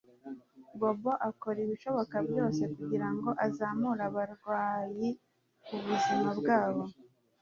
Bobo akora ibishoboka byose kugirango azamure abarwayi ubuzima bwabo